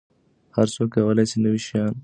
هر څوک کولای سي نوي شیان زده کړي.